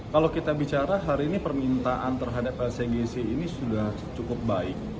kalau kita bicara hari ini permintaan terhadap lcgc ini sudah cukup baik